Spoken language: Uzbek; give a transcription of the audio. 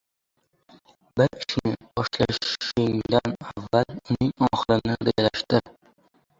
• Bir ishni boshlashgan avval uning oxirini rejalashtir.